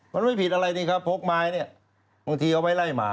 มันไม่ผิดอะไรนี่ครับพกไม้เนี่ยบางทีเอาไว้ไล่หมา